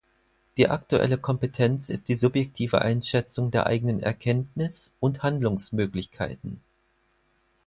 Die aktuelle Kompetenz ist die subjektive Einschätzung der eigenen Erkenntnis- und Handlungsmöglichkeiten.